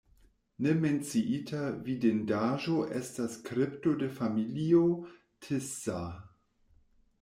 Ne menciita vidindaĵo estas kripto de familio Tisza.